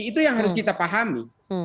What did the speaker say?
itu yang harus kita pahami